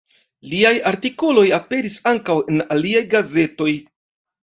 Liaj artikoloj aperis ankaŭ en aliaj gazetoj.